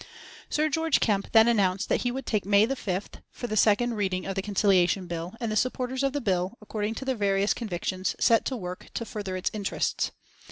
Sir George Kemp then announced that he would take May 5th for the second reading of the Conciliation Bill, and the supporters of the bill, according to their various convictions, set to work to further its interests.